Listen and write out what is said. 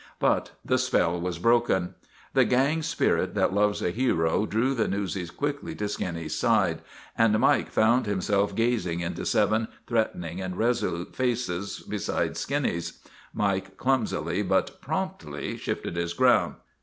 But the spell was broken. The gang spirit that loves a hero drew the newsies quickly to Skinny's side, and Mike found himself gazing into seven 1 64 SPIDER OF THE NEWSIES threatening and resolute faces beside Skinny's. Mike clumsily but promptly shifted his ground.